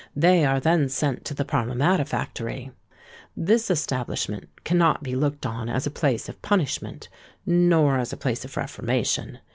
They are then sent to the Paramatta Factory. This establishment cannot be looked on as a place of punishment—nor as a place of reformation.